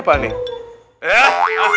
tadi kan gini